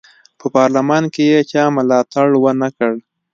په پارلمان کې یې چا ملاتړ ونه کړ.